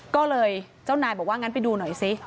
ก็เลยเจ้านายบอกว่างั้นไปดูหน่อยซิ